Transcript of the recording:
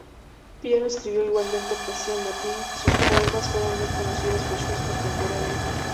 Piero escribió igualmente poesía en latín; sus poemas fueron muy conocidos por sus contemporáneos.